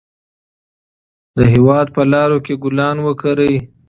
د هېواد په لارو کې ګلان وکرئ.